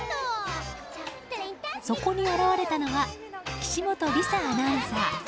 そこに現れたのは岸本理沙アナウンサー。